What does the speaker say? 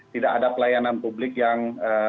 tidak ada pelayanan publik yang